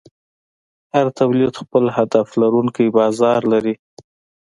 هر تولید خپل هدف لرونکی بازار لري.